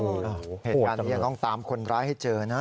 โอ้โฮโหตรงนี้ยังต้องตามคนร้ายให้เจอนะ